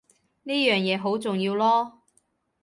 呢樣嘢好重要囉